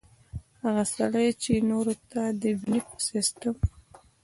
هغه سړے چې نورو ته د بيليف سسټم